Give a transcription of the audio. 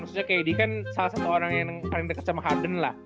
maksudnya kd kan salah satu orang yang paling deket sama harden lah